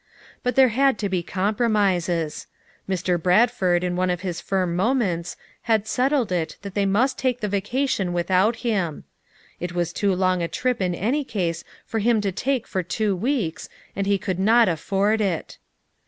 But there had to be compromises. Mr. Bradford in one of his firm moments had settled it that they must take the vacation with out him. It was too long a trip in any case for him to take for two weeks and he could not afford it.